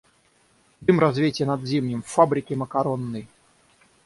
Дым развейте над Зимним — фабрики макаронной!